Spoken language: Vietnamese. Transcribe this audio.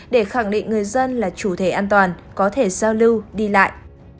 để khẳng định người dân là chủ thể an toàn có thể giao lưu đi lại